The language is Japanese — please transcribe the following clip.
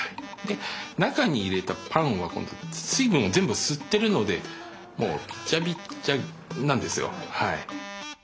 で中に入れたパンは今度水分を全部吸ってるのでもうびちゃびちゃなんですよ。